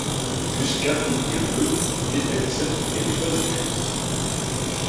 Jusqu'à il y a peu, l'énètse n'était pas écrit.